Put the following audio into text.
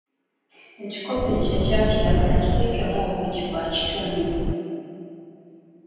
Ekikopo ekyo ekya kiragala kiteekemu obuugi bwa kitundu.